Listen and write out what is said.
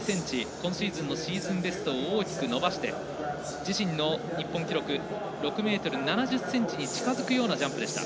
今シーズンのシーズンベストを大きく伸ばして自身の日本記録６ｍ７０ｃｍに近づくようなジャンプでした。